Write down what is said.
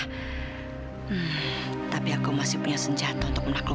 hmm tapi aku masih punya senjata untuk menaklukkan dia